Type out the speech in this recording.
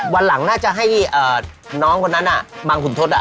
วันหลังน่าจะให้น้องคนนั้นบางขุนทศ